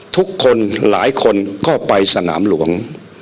ทุกคนหลายคนก็ไปสนามหลวง